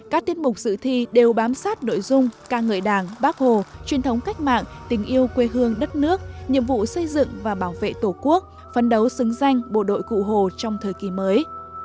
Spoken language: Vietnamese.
các tiết mục dự thi đều bám sát nội dung ca ngợi đảng bác hồ truyền thống cách mạng tình yêu quê hương đất nước nhiệm vụ xây dựng và bảo vệ tổ quốc phấn đấu xứng danh bộ đội cụ hồ trong thời kỳ mới